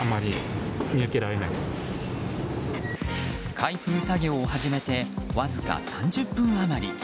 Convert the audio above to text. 開封作業を始めてわずか３０分余り。